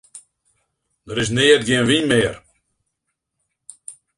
Der is neat gjin wyn mear.